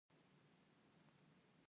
د همهغې ورځې په ماښام مشران سره ټول شول